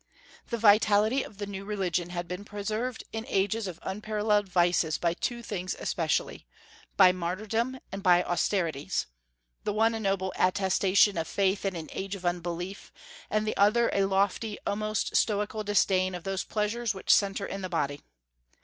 The vitality of the new religion had been preserved in ages of unparalleled vices by two things especially, by martyrdom and by austerities; the one a noble attestation of faith in an age of unbelief, and the other a lofty, almost stoical, disdain of those pleasures which centre in the body.